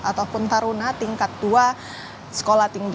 ataupun taruna tingkat tua sekolah tinggi